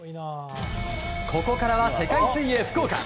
ここからは世界水泳福岡。